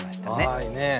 はいねえ。